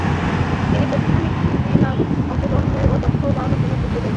তিনি প্রাতিষ্ঠানিক শিল্পে নারীর অংশগ্রহণ এবং দক্ষতা বাড়ানোর ওপর গুরুত্ব দেন।